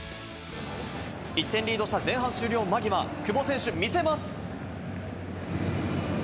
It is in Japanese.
１点リードした前半終了間際、久保選手が見せます。